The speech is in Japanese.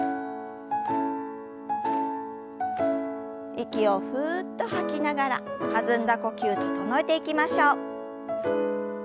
息をふっと吐きながら弾んだ呼吸整えていきましょう。